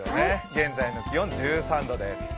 現在の気温１３度です。